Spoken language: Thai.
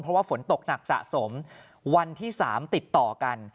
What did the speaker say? เพราะว่าฝนตกหนักสะสมวันที่๓ติดต่อกัน